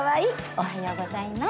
おはようございます。